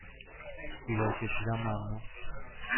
سیگار کشیدن ممنوع